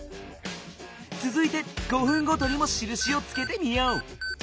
つづいて５分ごとにもしるしをつけてみよう。